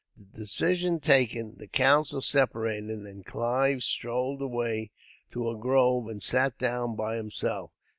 The decision taken, the council separated, and Clive strolled away to a grove, and sat down by himself.